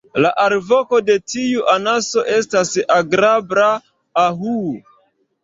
La alvoko de tiu anaso estas agrabla "ah-uu.